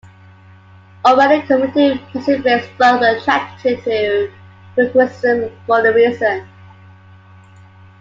Already committed pacifists, both were attracted to Quakerism for this reason.